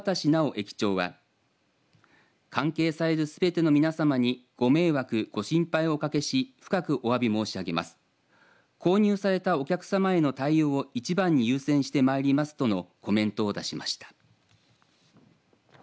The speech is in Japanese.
駅長は関係されるすべての皆さまにご迷惑ご心配をおかけし深くおわび申し上げます購入されたお客様への対応を一番に優先してまいりますとのコメントを出しました。